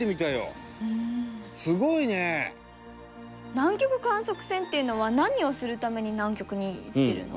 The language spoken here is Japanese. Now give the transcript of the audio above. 南極観測船っていうのは何をするために南極に行ってるの？